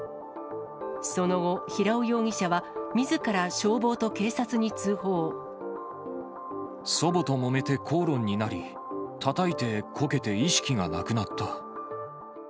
その後、平尾容疑者は、祖母ともめて口論になり、たたいて、こけて、意識がなくなった。